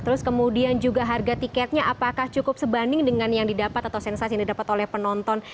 terus kemudian juga harga tiketnya apakah cukup sebanding dengan yang didapat atau sensasi yang didapat oleh penonton